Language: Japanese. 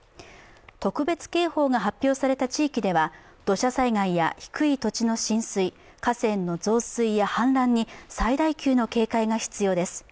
特別警報が発表された地域では土砂災害や低い土地の浸水、河川の増水や氾濫に最大級の警戒が必要です。